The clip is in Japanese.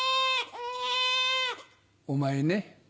お前ね